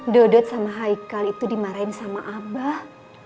dodot sama haikal itu dimarahin sama abah